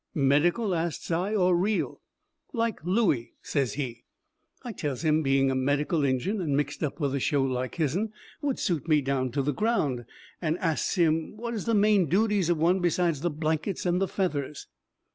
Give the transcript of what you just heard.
"Medical?" asts I, "or real?" "Like Looey," says he. I tells him being a medical Injun and mixed up with a show like his'n would suit me down to the ground, and asts him what is the main duties of one besides the blankets and the feathers.